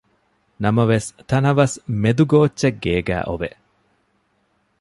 ނަމަވެސް ތަނަވަސް މެދު ގޯއްޗެއް ގޭގައި އޮވެ